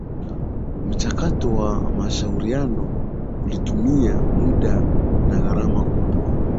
Mchakato wa mashauriano ulitumia muda na gharama kubwa